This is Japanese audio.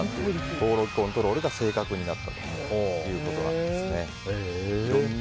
ボールコントロールが正確になったということなんです。